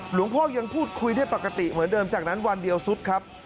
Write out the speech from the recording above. หลวงพ่อยังพูดคุยได้ปกติเหมือนเดิมจากนั้นวันเดียวสุดครับ